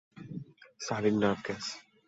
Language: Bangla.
Siren nerve gas.